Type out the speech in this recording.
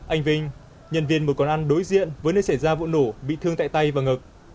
anh vinh nhân viên một quán ăn đối diện với nơi xảy ra vụ nổ bị thương tại tay và ngực